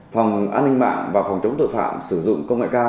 phòng an ninh mạng và phòng chống tội phạm sử dụng công nghệ cao